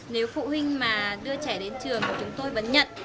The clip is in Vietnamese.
nếu phụ huynh mà đưa trẻ đến trường của chúng tôi vẫn nhận